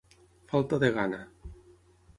Falta de gana.